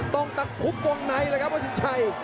ต้องจะทุบกรุงใดแล้วเอาละครับวัศิกาย